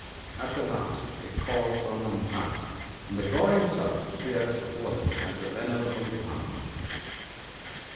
' At the last they called for an umpire, and the God himself appeared before them as a venerable Brahman.